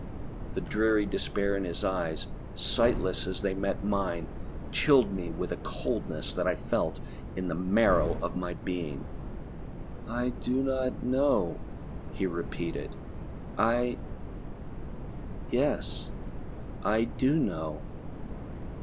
The dreary despair in his eyes, sightless as they met mine, chilled me with a coldness that I felt in the marrow of my being. "I do not know," he repeated. "I ... Yes, I do know!"